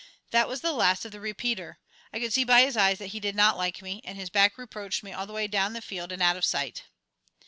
That was the last of the "Repeater." I could see by his eyes that he did not like me, and his back reproached me all the way down the field and out of sight.